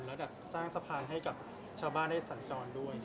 แล้วแบบสร้างสะพานให้กับชาวบ้านได้สัญจรด้วย